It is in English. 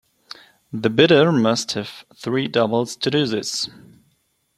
The bidder must have three doubles to do this.